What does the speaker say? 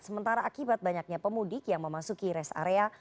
sementara akibat banyaknya pemudik yang memasuki rest area